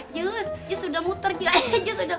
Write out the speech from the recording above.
jus jus udah muter jus